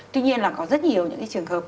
tuy nhiên là có rất nhiều trường hợp